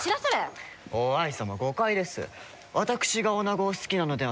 於愛様誤解です。